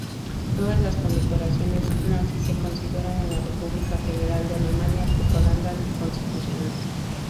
Todas las condecoraciones nazi se consideran en la República Federal de Alemania propaganda anticonstitucional.